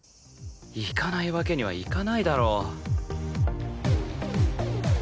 行かないわけにはいかないだろう。